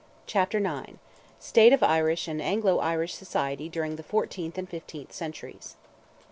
CHAPTER IX. STATE OF IRISH AND ANGLO IRISH SOCIETY DURING THE FOURTEENTH AND FIFTEENTH CENTURIES.